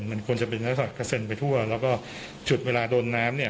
มันควรจะเป็นลักษณะกระเซ็นไปทั่วแล้วก็จุดเวลาโดนน้ำเนี่ย